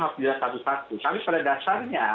harus diatasi satu satu tapi pada dasarnya